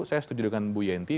saya setuju dengan bu yenty